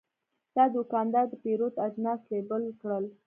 دا دوکاندار د پیرود اجناس لیبل کړل.